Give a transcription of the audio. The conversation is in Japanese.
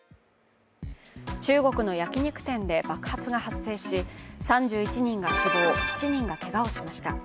中国の焼き肉店で爆発が発生し、３１人が死亡、７人がけがをしました。